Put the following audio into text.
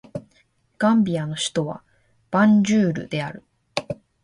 ガンビアの首都はバンジュールである